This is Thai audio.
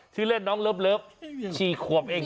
ชื่อเล่นน้องเลิฟ๔ขวบเอง